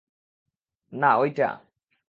না, অইটা।